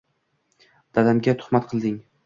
Dadamga tuhmat qilding.